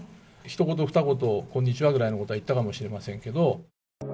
ひと言、ふた言、こんにちはぐらいのことは言ったかもしれませんけど。